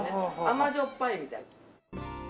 甘じょっぱいみたいな。